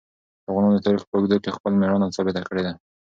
افغانانو د تاریخ په اوږدو کې خپل مېړانه ثابته کړې ده.